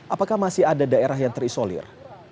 apakah masih ada daerah yang terisolir